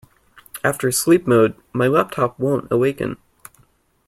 After sleep mode, my laptop won't awaken.